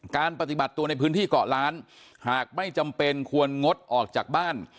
การปฏิบัติตัวในพื้นที่เกาะล้านหากไม่จำเป็นควรงดออกจากบ้าน